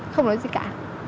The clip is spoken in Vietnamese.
không nói gì cả